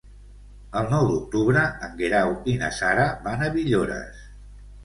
El nou d'octubre en Guerau i na Sara van a Villores.